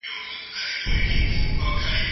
اقتصاد پوهانو خپل جلا نظریات وړاندې کړي دي.